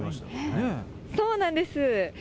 そうなんです。